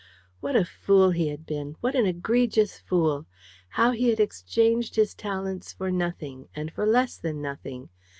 What a fool he had been what an egregious fool! How he had exchanged his talents for nothing, and for less than nothing.